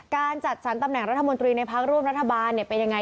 การจัดสรรตำแหน่งรัฐมนตรีในพักร่วมรัฐบาลเป็นยังไง